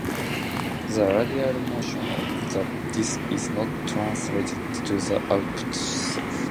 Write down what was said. The radial motion of the disc is not translated to the output shaft.